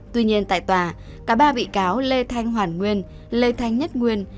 tuy nhiên tại tòa cả ba bị cáo lê thanh hoàn nguyên lê thanh nhất nguyên